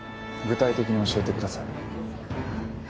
具体的に教えてください。